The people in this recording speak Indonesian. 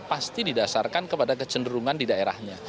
pasti didasarkan kepada kecenderungan di daerahnya